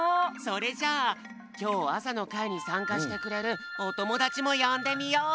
それじゃあきょう朝の会にさんかしてくれるおともだちもよんでみよう！